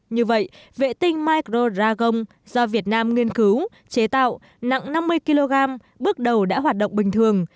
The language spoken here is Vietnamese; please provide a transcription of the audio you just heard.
như vậy vệ tinh micro dragon do việt nam nghiên cứu chế tạo nặng năm mươi kg bước đầu đã hoạt động bình thường